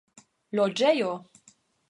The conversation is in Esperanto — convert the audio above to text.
loĝejo